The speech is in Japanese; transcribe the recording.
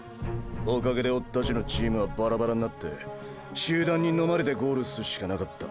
おかげでオレたちのチームはバラバラになって集団にのまれてゴールするしかなかった。